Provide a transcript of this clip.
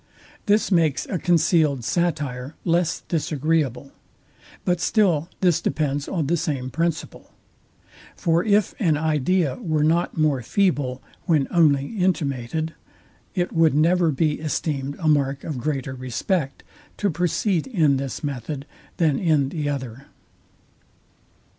This makes a concealed satire less disagreeable; but still this depends on the same principle. For if an idea were not more feeble, when only intimated, it would never be esteemed a mark of greater respect to proceed in this method than in the other.